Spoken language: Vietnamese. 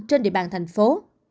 trên địa bàn thành phố